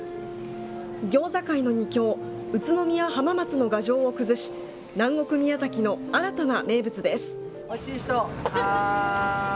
ギョーザ界の２強宇都宮、浜松の牙城を崩し南国・宮崎の新たな名物です。